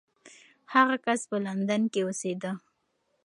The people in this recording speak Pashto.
هغه کس په لندن کې اوسېده.